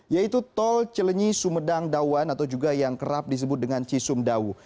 yaitu tol celenyi sumedang dawan atau juga yang kerap disebut dengan cisum dawu